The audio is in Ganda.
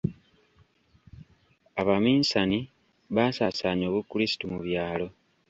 Abaminsani baasaasaanya obukrisitu mu byalo.